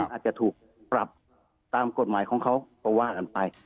อาจจะถูกปรับตามกฎหมายของเขาก็ว่ากันไป